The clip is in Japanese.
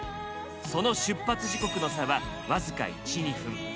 その出発時刻の差は僅か１２分。